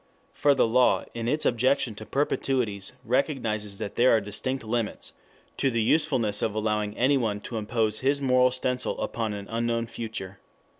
For the law in its objection to perpetuities recognizes that there are distinct limits to the usefulness of allowing anyone to impose his moral stencil upon an unknown future.